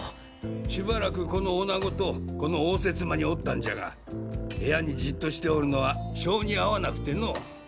しばらくこの女子とこの応接間におったんじゃが部屋にじっとしておるのは性に合わなくてのォ。